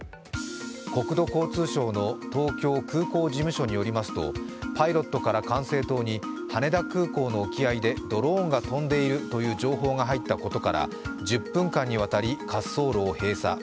国土交通省の東京空港事務所によりますと、パイロットから管制塔に羽田空港の沖合でドローンが飛んでいるという情報が入ったことから、１０分間にわたり滑走路を閉鎖。